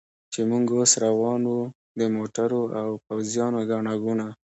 چې موږ اوس روان و، د موټرو او پوځیانو ګڼه ګوڼه.